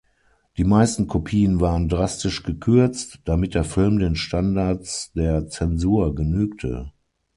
Die meisten Kopien waren drastisch gekürzt, damit der Film den Standards der Zensur genügte.